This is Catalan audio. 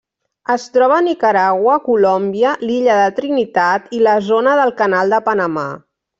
Es troba a Nicaragua, Colòmbia, l'illa de Trinitat i la Zona del Canal de Panamà.